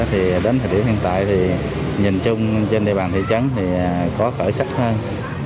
thì đến thời điểm hiện tại thì nhìn chung trên địa bàn thị trấn thì có khởi sắc hơn